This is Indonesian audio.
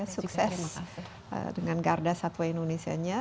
sukses dengan garda satwa indonesia nya